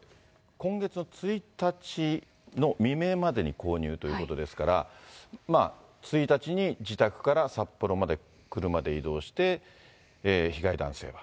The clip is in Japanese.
今月の１日の未明までに購入ということですから、１日に自宅から札幌まで車で移動して、被害男性は。